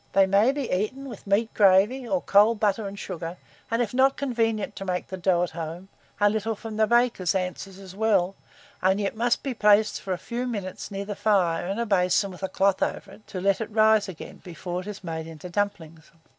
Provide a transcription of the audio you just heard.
They may be eaten with meat gravy, or cold butter and sugar, and if not convenient to make the dough at home, a little from the baker's answers as well, only it must be placed for a few minutes near the fire, in a basin with a cloth over it, to let it rise again before it is made into dumplings.